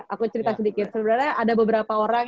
aku cerita sedikit sebenarnya ada beberapa orang